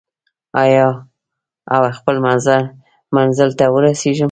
آیا او خپل منزل ته ورسیږو؟